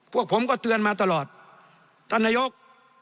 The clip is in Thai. พวกผมก็เตือนมาตลอดท่านนายก